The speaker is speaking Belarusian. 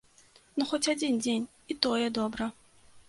Ну, хоць адзін дзень, і тое добра.